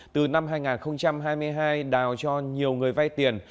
từ năm hai nghìn hai mươi hai đào cho nhiều người vay tiền